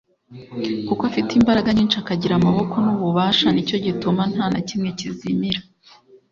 Kuko afite imbaraga nyinshi akagira amaboko n’ububasha, ni cyo gituma nta na kimwe kizimira.